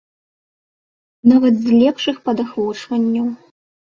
Нават з лепшых падахвочванняў.